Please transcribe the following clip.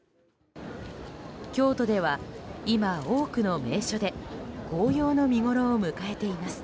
京都では今、多くの名所で紅葉の見ごろを迎えています。